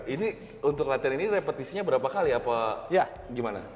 ini untuk latihan ini repetisinya berapa kali apa ya gimana